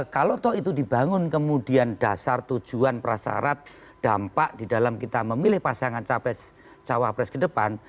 kalau toh itu dibangun kemudian dasar tujuan prasarat dampak di dalam kita memilih pasangan cawapres ke depan